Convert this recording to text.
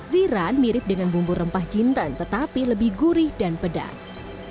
ziran mirip dengan bumbu rempah jinten tetapi lebih gurih dan pedas